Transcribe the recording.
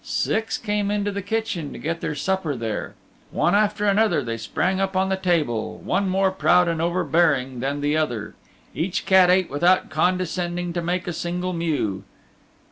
Six came into the kitchen to get their supper there. One after another they sprang up on the table, one more proud and overbearing than the other. Each cat ate without condescending to make a single mew.